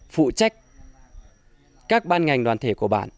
phụ trách các ban ngành đoàn thể của bản